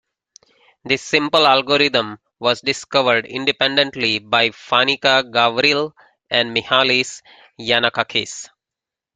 This simple algorithm was discovered independently by Fanica Gavril and Mihalis Yannakakis.